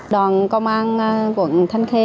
đoàn công an quận thanh khê